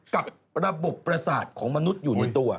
กับระบบประสาทของมนุษย์อยู่ในตัว